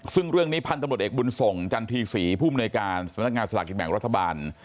ซึ่งเรื่องนี้พันธุ์ตำรวจเอกบุญส่งจันทรีศรีผู้มนวยการสำนักงานสลากกินแบ่งรัฐบาล